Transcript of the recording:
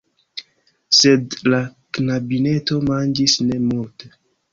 Sed la knabineto manĝis ne multe.